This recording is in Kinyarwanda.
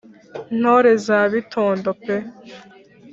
ntore za bitondo pe